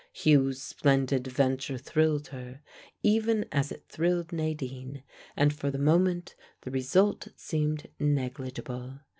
Hugh's splendid venture thrilled her, even as it thrilled Nadine, and for the moment the result seemed negligible.